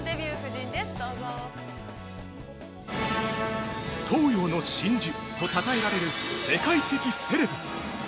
◆東洋の真珠とたたえられる世界的セレブ。